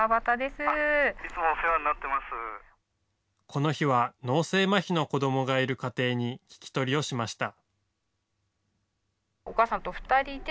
この日は脳性まひの子どもがいる家庭に聞き取りをしました。